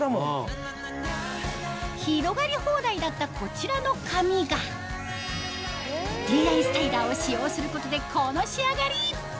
広がり放題だったこちらの髪がＤｉＳＴＹＬＥＲを使用することでこの仕上がり！